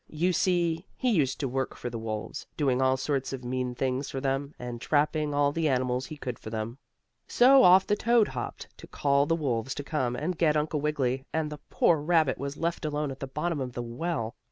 You see, he used to work for the wolves, doing all sorts of mean things for them, and trapping all the animals he could for them. So off the toad hopped, to call the wolves to come and get Uncle Wiggily, and the poor rabbit was left alone at the bottom of the well.